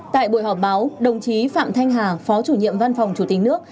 tại buổi họp báo đồng chí phạm thanh hà phó chủ nhiệm văn phòng chủ tịch nước